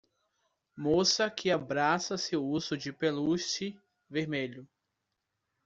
Moça que abraça seu urso de peluche vermelho.